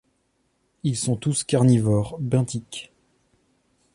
Ils sont tous carnivores, benthiques.